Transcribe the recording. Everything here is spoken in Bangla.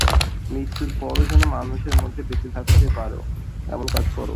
মৃত্যুর পরও যেন মানুষের মধ্যে বেঁচে থাকতে পারো, এমন কাজ করো।